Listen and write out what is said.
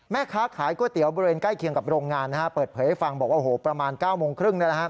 แม่ค้าขายก๋วยเตี๋ยวบริเวณใกล้เคียงกับโรงงานเปิดเผยให้ฟังบอกว่าโอ้โหประมาณ๙โมงครึ่ง